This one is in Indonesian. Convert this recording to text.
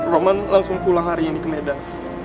roman langsung pulang hari ini ke medan